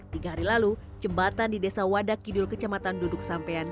tiga hari lalu jembatan di desa wadakidul kecamatan duduk sampean